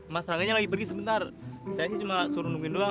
mas raganya lagi pergi sebentar saya sih cuma suruh nungguin doang